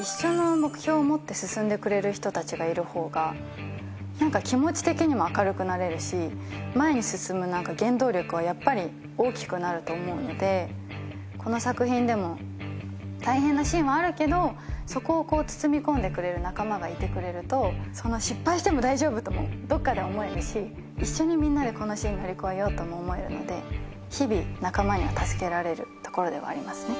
一緒の目標を持って進んでくれる人達がいる方が気持ち的にも明るくなれるし前に進む原動力はやっぱり大きくなると思うのでこの作品でも大変なシーンはあるけどそこを包み込んでくれる仲間がいてくれると失敗しても大丈夫ともどこかで思えるし一緒にみんなでこのシーンを乗り越えようとも思えるので日々仲間には助けられるところではありますね